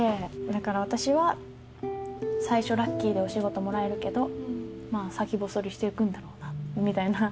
だから私は最初ラッキーでお仕事もらえるけど先細りして行くんだろうなみたいな。